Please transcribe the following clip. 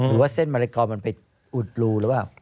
ว่าเส้นมะละกอมันไปอุดรูหรือเปล่า